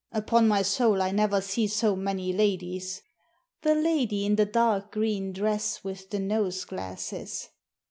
Upon my soul, I never see so many ladies." " The lady in the dark green dress with the nose glasses."